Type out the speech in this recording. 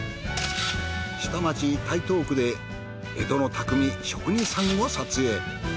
下町台東区で江戸の匠・職人さんを撮影。